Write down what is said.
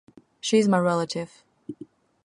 She is my relative.